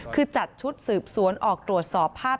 คือจัดชุดสืบสวนออกตรวจสอบภาพ